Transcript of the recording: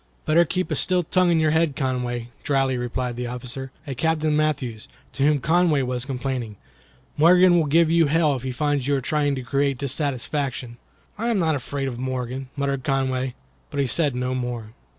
"Better keep a still tongue in your head, Conway," dryly replied the officer, a Captain Matthews, to whom Conway was complaining. "Morgan will give you hell if he finds you are trying to create dissatisfaction." "I am not afraid of Morgan," muttered Conway, but he said no more.